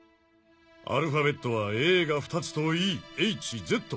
アルファベットはＡが２つとＥＨＺ。